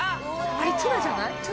あれツナじゃない？